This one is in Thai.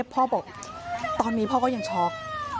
พ่อบอกตอนนี้พ่อก็ยังช็อก